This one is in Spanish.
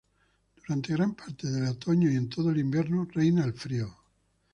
Durante gran parte del otoño y en todo el invierno reina el frío.